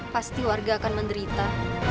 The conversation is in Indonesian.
pasti warga akan menderita